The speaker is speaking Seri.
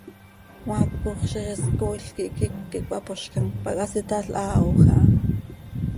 Cmaacoj ziix is cooil quih quiic quih cöhapoozcam, pac hasitalhaajö aha.